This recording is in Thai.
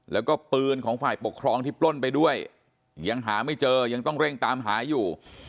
แล้วก็ปืนของฝ่ายปกครองที่ปล้นไปด้วยยังหาไม่เจอยังต้องเร่งตามหาอยู่